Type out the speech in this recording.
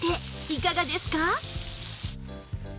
いかがですか？